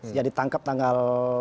sejak ditangkap tanggal dua